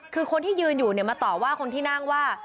คือคนที่ยืนอยู่เนี่ยมาต่อว่าคนที่นั่งว่า